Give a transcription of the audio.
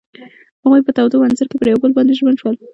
هغوی په تاوده منظر کې پر بل باندې ژمن شول.